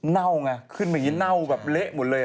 เน่าไงขึ้นมาอย่างนี้เน่าแบบเละหมดเลย